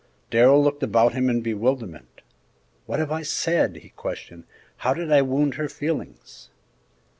Darrell looked about him in bewilderment. "What have I said?" he questioned; "how did I wound her feelings?"